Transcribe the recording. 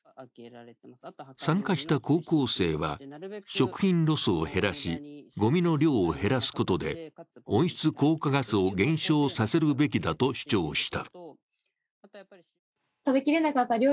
参加した高校生は、食品ロスを減らし、ごみの量を減らすことで温室効果ガスを減少させるべきだと主張した。